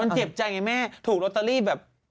มันเจ็บใจไงแม่ถูกลอตเตอรี่แบบ